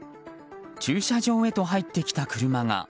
駐車場へと入ってきた車が。